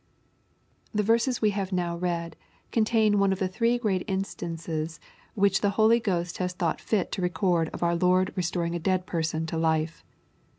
The verses we have now read, contain one of the three gieat instances which the Holy Ghost has thought fit to record of our Lord restoring a dead person to life.